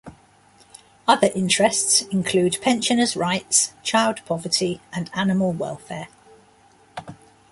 Other interests include pensioners rights, child poverty and animal welfare.